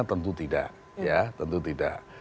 tentu tidak ya